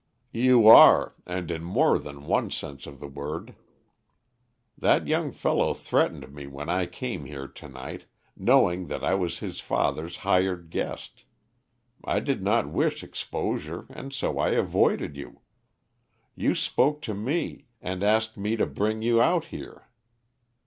"You are, and in more than one sense of the word. That young fellow threatened me when I came here to night, knowing that I was his father's hired guest; I did not wish exposure, and so I avoided you. You spoke to me, and asked me to bring you out here.